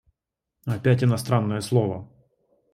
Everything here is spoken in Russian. Опять иностранное слово!